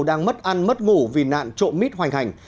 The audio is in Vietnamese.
đang mất ăn mất ngủ vì nạn trộm mít hoành hành